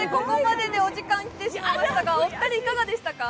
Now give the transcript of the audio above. お時間が来てしまいましたが、お二人、いかがでしたか？